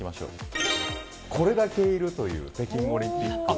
これだけいるという北京オリンピック。